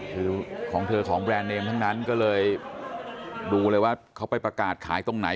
คือของเธอของแบรนด์เนมทั้งนั้นก็เลยดูเลยว่าเขาไปประกาศขายตรงไหน